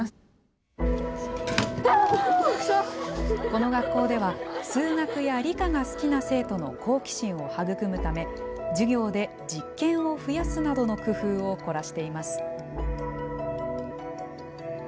この学校では数学や理科が好きな生徒の好奇心を育むため授業で実験を増やすなどの工夫を凝らしています。